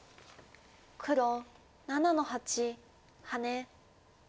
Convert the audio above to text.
黒７の八ハネ。